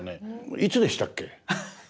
いつでしたっけ？